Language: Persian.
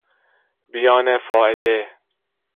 بیان فائده